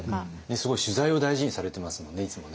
すごい取材を大事にされてますもんねいつもね。